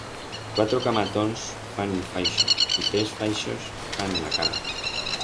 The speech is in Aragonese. Cuatro camatons fan un faixo, y tres faixos fan una carga.